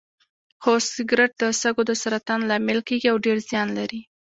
هو سګرټ د سږو د سرطان لامل کیږي او ډیر زیان لري